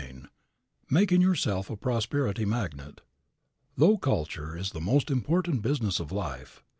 CHAPTER VII MAKING YOURSELF A PROSPERITY MAGNET Though culture is the most important business of life.